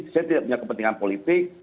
saya tidak punya kepentingan politik